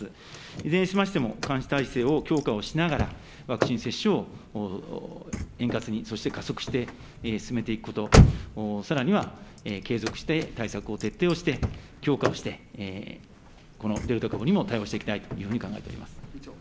いずれにしましても、監視体制を強化をしながら、ワクチン接種を円滑に、そして加速して進めていくこと、さらには継続して対策を徹底をして、強化をして、このデルタ株にも対応していきたいというふうに考えております。